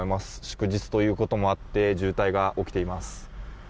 祝日ということもあって渋滞が起きています。